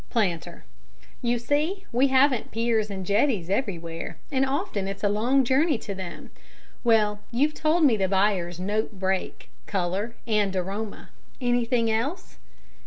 PLANTER: You see, we haven't piers and jetties everywhere, and often it's a long journey to them. Well, you've told me the buyers note break, colour and aroma. Anything else?